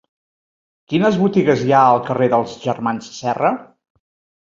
Quines botigues hi ha al carrer dels Germans Serra?